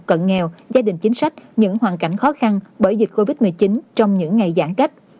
cận nghèo gia đình chính sách những hoàn cảnh khó khăn bởi dịch covid một mươi chín trong những ngày giãn cách